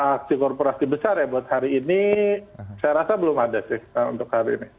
aksi korporasi besar ya buat hari ini saya rasa belum ada sih untuk hari ini